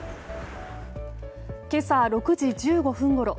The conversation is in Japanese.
今朝６時１５分ごろ